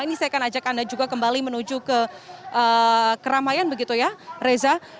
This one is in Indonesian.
ini saya akan ajak anda juga kembali menuju ke keramaian begitu ya reza